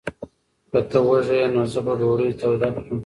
که ته وږی یې، نو زه به ډوډۍ توده کړم.